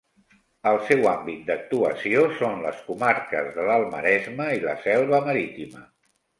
El seu àmbit d'actuació són les comarques de l'Alt Maresme i la Selva Marítima.